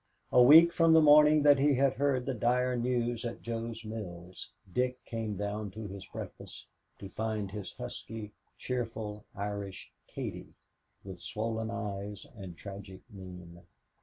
A week from the morning that he had heard the dire news at Jo's Mills, Dick came down to his breakfast to find his husky, cheerful, Irish Katie with swollen eyes and tragic mien.